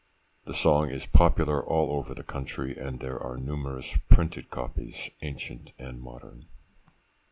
The song is popular all over the country, and there are numerous printed copies, ancient and modern.